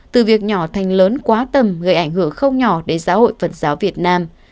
từ việc nhỏ thành lớn quá tầm gây ảnh hưởng không nhỏ đến giáo hội phật giáo việt nam